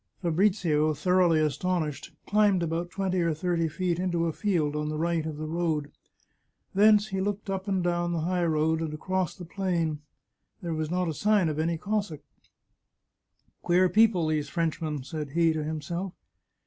Fabrizio, thoroughly astonished, climbed about twenty or thirty feet into a field on the right of the road; thence he looked up and down the high road and across the plain. There was not a sign of any Cossack. " Queer people, these Frenchmen," said he to himself.